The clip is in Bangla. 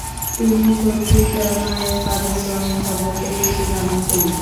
তিনি সত্যই তার মায়ের কার্যক্রম সম্পর্কে কিছু জানেন কিনা।